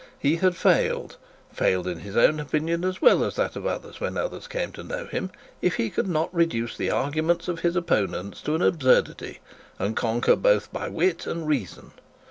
He had failed, failed in his own opinion as well as that of others when others came to know him, if he could not reduce the arguments of his opponents to an absurdity, and conquer both by wit and reason.